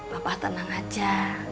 papa tenang aja